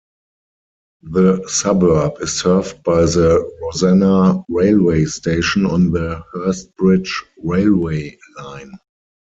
The suburb is served by the Rosanna railway station on the Hurstbridge railway line.